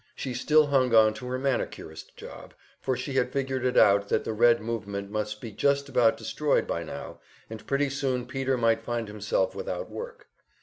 She still hung on to her manicurist job, for she had figured it out that the Red movement must be just about destroyed by now, and pretty soon Peter might find himself without work.